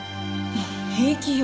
平気よ。